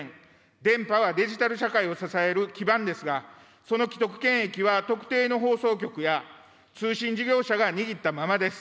電波はデジタル社会を支える基盤ですが、その既得権益は特定の放送局や通信事業者が握ったままです。